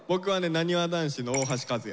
なにわ男子の大橋和也。